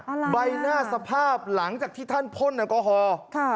อะไรใบหน้าสภาพหลังจากที่ท่านพ่นแอลกอฮอล์ค่ะ